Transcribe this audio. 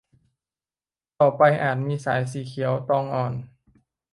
ต่อไปอาจมีสายสีเขียวตองอ่อน